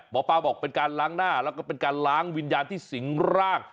หมอปลาบอกเป็นการล้างหน้าแล้วก็เป็นการล้างวิญญาณที่สิงร่าง